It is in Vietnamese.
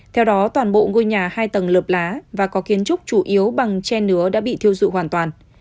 theo đó toàn bộ ngôi nhà hai tầng lợp lá và có kiến trúc chủ yếu bằng che nứa đã bị thiêu dụ hoàn toàn